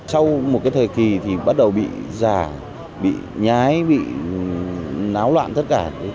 sau một cái thời kỳ thì bắt đầu bị giả bị nhái bị náo loạn tất cả